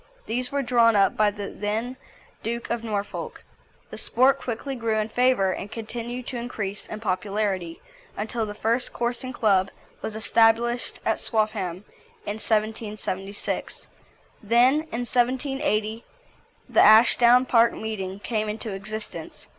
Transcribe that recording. These were drawn up by the then Duke of Norfolk. The sport quickly grew in favour, and continued to increase in popularity until the first coursing club was established at Swaffham in 1776. Then in 1780 the Ashdown Park Meeting came into existence.